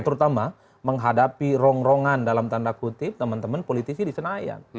terutama menghadapi rongrongan dalam tanda kutip teman teman politisi di senayan